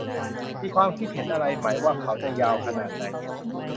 มีความคิดเห็นอะไรไหมว่าเขาจะยาวขนาดไหน